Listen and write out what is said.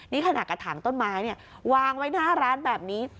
นี่ขนาดกระถางต้นไม้เนี่ยวางไว้หน้าร้านแบบนี้